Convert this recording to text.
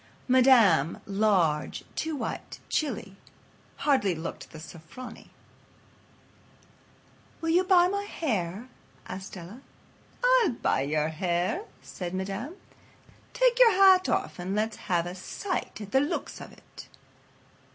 Madame, large, too white, chilly, hardly looked the "Sofronie." "Will you buy my hair?" asked Della. "I buy hair," said Madame. "Take yer hat off and let's have a sight at the looks of it."